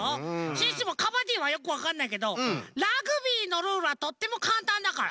シュッシュもカバディはよくわかんないけどラグビーのルールはとってもかんたんだから。